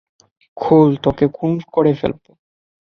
খোল, তোকে খুন করে ফেলব।